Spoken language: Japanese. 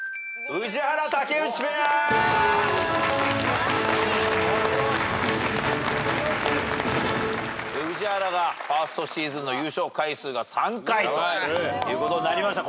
宇治原がファーストシーズンの優勝回数が３回ということになりました。